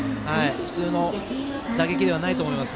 ふつうの打撃ではないと思います。